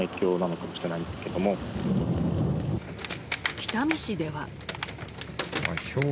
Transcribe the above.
北見市では。